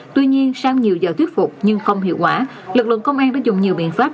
tuy nhiên sau nhiều giờ thuyết phục nhưng không hiệu quả lực lượng công an đã dùng nhiều biện pháp